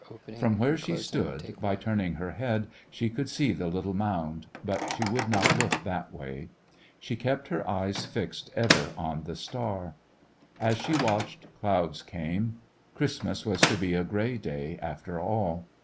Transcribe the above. From where she stood, by turning her head, she could see the little moimd, but she would not look that way. She kept her eyes fixed ever on A Christmas When the star. As she watched, clouds came. Christmas was to be a gray day after all.